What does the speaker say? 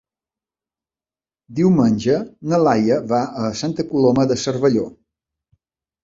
Diumenge na Laia va a Santa Coloma de Cervelló.